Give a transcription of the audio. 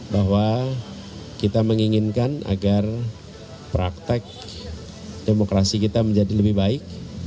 bahwa kita menginginkan agar praktek demokrasi kita menjadi lebih baik